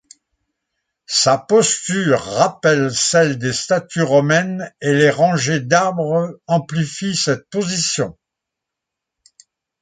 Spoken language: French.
Sa posture rappelle celle des statues romaines et les rangées d'arbres amplifient cette position.